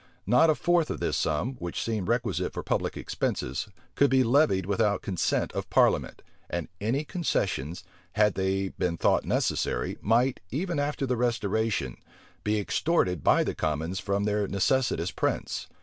Not a fourth part of this sum, which seemed requisite for public expenses, could be levied without consent of parliament; and any concessions, had they been thought necessary, might, even after the restoration, be extorted by the commons from their necessitous prince.